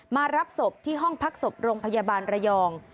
มารับศพที่ห้องพักศพโรงพยาบาลระยอง